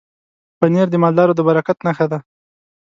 پنېر د مالدارو د برکت نښه ده.